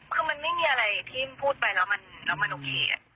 คือมันไม่มีอะไรที่พูดไปแล้วมันโอเค